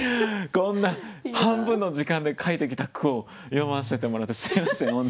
こんな半分の時間で書いてきた句を詠ませてもらってすみません本当に。